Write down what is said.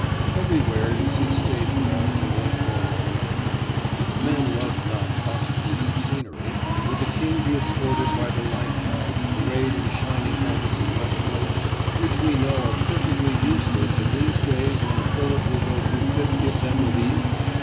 Everywhere you see stage craft in one form or another. If men loved not costumes and scenery, would the king be escorted by the lifeguards, arrayed in shining helmets and breastplates, which we know are perfectly useless in these days when a bullet will go through fifty of them with ease?